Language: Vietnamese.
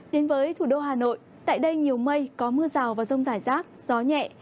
đến với thủ đô hà nội tại đây nhiều mây có mưa rào vào rông giải rác gió nhẹ